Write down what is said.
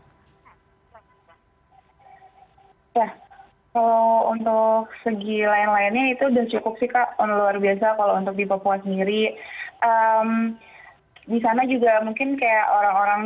sehingga prestasi ini bisa lebih maksimal di masa mendatang